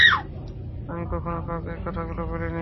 আমি কখনো কাউকে এই কথাগুলো বলিনি।